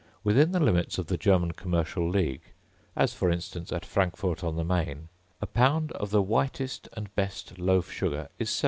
Within the limits of the German commercial league, as, for instance, at Frankfort on the Maine, a pound of the whitest and best loaf sugar is 7d.